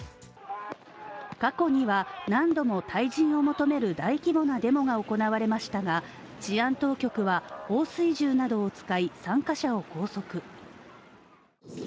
過去には、何度も退陣を求める大規模なデモが行われましたが治安当局は放水銃などを使い、参加者を拘束。